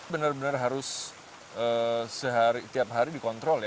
benar benar harus setiap hari dikontrol ya